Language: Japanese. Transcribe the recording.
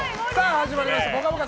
始まりました「ぽかぽか」